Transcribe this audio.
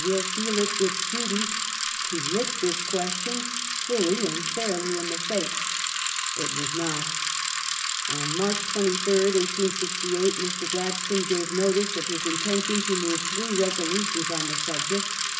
. will feel it its duty to look this question fully and fairly in the face ". It was not. On March 23rd, 1868, Mr. Gladstone gave notice of his in Mr. Glad tention to move three resolutions on the subject.